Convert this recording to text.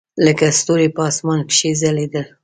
لکه ستوري په اسمان کښې ځلېدل.